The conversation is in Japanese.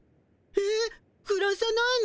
ええくらさないの？